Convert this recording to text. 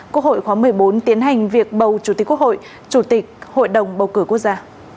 quốc hội khóa một mươi bốn tiến hành việc bầu chủ tịch quốc hội chủ tịch hội đồng bầu cử quốc gia